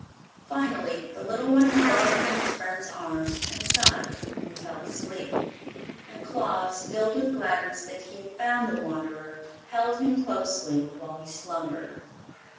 Finally the little one curled up in his friend's arms and sighed and fell asleep, and Claus, filled with gladness that he had found the wanderer, held him closely while he slumbered.